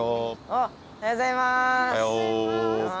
おはようございます。